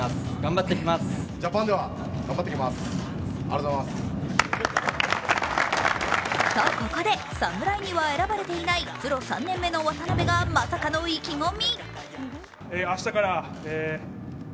と、ここで侍には選ばれていないプロ３年目の渡部がまさかの意気込み。